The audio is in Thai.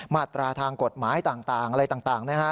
มาตราทางกฎหมายต่างอะไรต่างนะฮะ